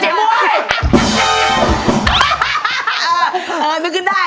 เอาไม่ขึ้นได้